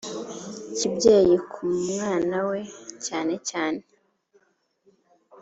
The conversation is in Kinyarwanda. kibyeyi ku mwana we cyane cyane